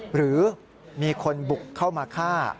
หรือมีคนบุกเข้ามาฆ่า